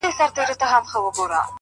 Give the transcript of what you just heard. وجود دې ستا وي زه د عقل له ښيښې وځم!